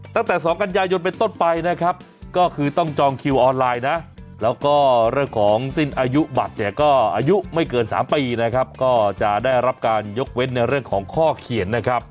ตั้งแต่๒กันยายนเป็นต้นไปนะครับก็คือต้องจองคิวออนไลน์นะแล้วก็เรื่องของสิ้นอายุบัตรเนี่ยก็อายุไม่เกิน๓ปีนะครับก็จะได้รับการยกเว้นในเรื่องของข้อเขียนนะครับ